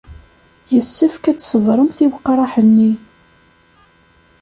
Yessefk ad tṣebremt i weqraḥ-nni.